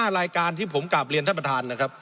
๕รายการที่ผมกลับเรียนท่านประธาน